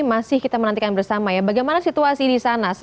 masih kita menantikan bersama ya bagaimana situasi di sana